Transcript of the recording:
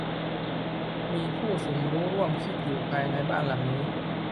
มีผู้สมรู้ร่วมคิดอยู่ภายในบ้านหลังนี้